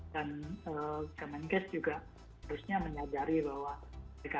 dan kemenkes juga harusnya menyadari bahwa mereka ini mewakili masyarakat